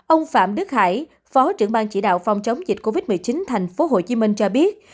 ông phạm đức hải phó trưởng ban chỉ đạo phòng chống dịch covid một mươi chín thành phố hồ chí minh cho biết